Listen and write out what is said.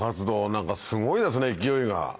何かすごいですね勢いが。